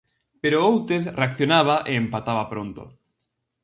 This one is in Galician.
Pero o Outes reaccionaba e empataba pronto.